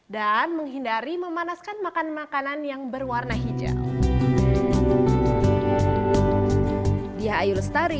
dan menghindari memanaskan makanan makanan yang berwarna hijau